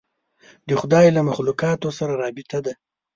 د خدای له مخلوقاتو سره رابطه ده.